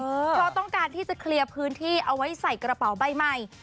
เพราะต้องการที่จะเคลียร์พื้นที่เอาไว้ใส่กระเป๋าใบใหม่